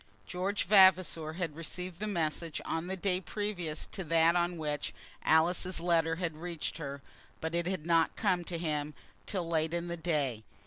George Vavasor had received the message on the day previous to that on which Alice's letter had reached her, but it had not come to him till late in the day.